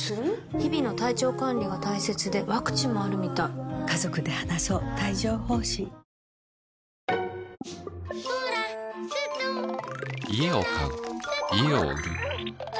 日々の体調管理が大切でワクチンもあるみたい牧場から食卓まで。